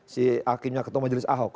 si hakimnya ketua majelis ahok